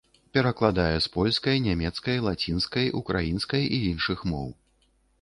Перакладае з польскай, нямецкай, лацінскай, украінскай і іншых моў.